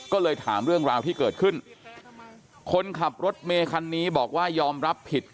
ก็เลยถามเรื่องราวที่เกิดขึ้นคนขับรถเมคันนี้บอกว่ายอมรับผิด